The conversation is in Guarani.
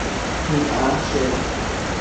Hi'ã chéve.